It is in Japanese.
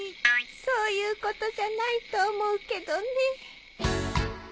そういうことじゃないと思うけどね。